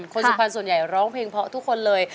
สุพรรณส่วนใหญ่ร้องเพลงเพราะทุกคนเลย